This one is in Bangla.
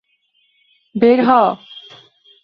বের হ!